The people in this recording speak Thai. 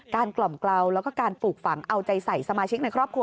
กล่อมเกลาแล้วก็การปลูกฝังเอาใจใส่สมาชิกในครอบครัว